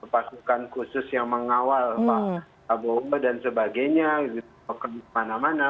pasukan khusus yang mengawal pak prabowo dan sebagainya kemana mana